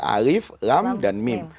alif lam dan mim